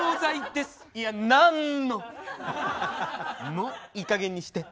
もういいかげんにして。